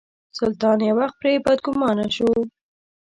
سلطان یو وخت پرې بدګومانه شو.